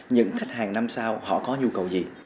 những khách hàng năm sao có nhu cầu gì